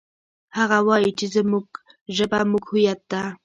هغه وایي چې زموږ ژبه زموږ هویت ده